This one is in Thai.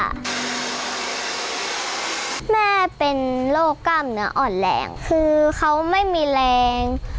แม่เป็นโรคกล้ามเนื้ออ่อนแรงคือเขาไม่มีแรง